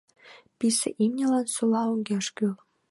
Писе имньылан сола огеш кӱл